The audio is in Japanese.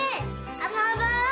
遊ぼう！